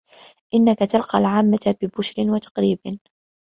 إنَّك تَلْقَى الْعَامَّةَ بِبِشْرٍ وَتَقْرِيبٍ